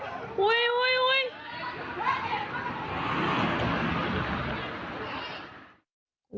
น่ากลัวมากเลยอ่ะ